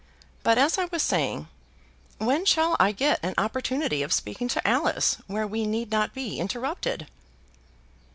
But, as I was saying, when shall I get an opportunity of speaking to Alice where we need not be interrupted?"